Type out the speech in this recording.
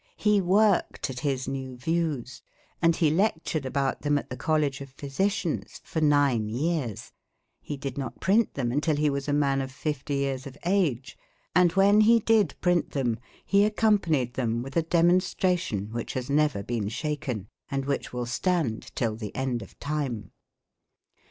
He worked at his new views, and he lectured about them at the College of Physicians for nine years; he did not print them until he was a man of fifty years of age; and when he did print them he accompanied them with a demonstration which has never been shaken, and which will stand till the end of time.